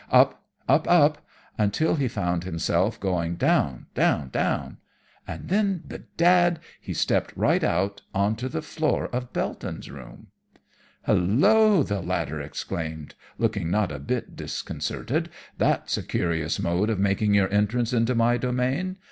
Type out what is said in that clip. Up, up, up, until he found himself going down, down, down; and then bedad he stepped right out on to the floor of Belton's room. "'Hulloa!' the latter exclaimed, looking not a bit disconcerted, 'that's a curious mode of making your entrance into my domain!